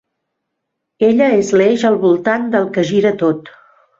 Ella és l'eix al voltant del que gira tot.